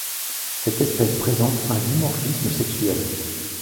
Cette espèce présente un dimorphisme sexuel.